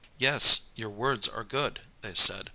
"Yes, your words are good," they said.